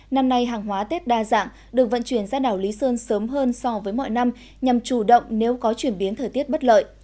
năm nay hàng hóa tết đa dạng được vận chuyển ra đảo lý sơn sớm hơn so với mọi năm nhằm chủ động nếu có chuyển biến thời tiết bất lợi